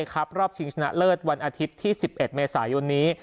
ครับรอบชิงชนะเลิศวันอาทิตย์ที่สิบเอ็ดเมษายนนี้